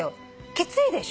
きついでしょ。